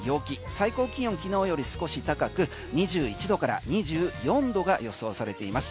最高気温、昨日より少し高く２１度から２４度が予想されています。